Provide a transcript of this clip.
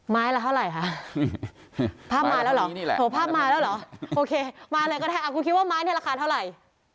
ไม้ละเท่าไหร่ค่ะภาพมาแล้วหรอโอเคมาเลยก็ได้คุณคิดว่าไม้ราคาเท่าไหร่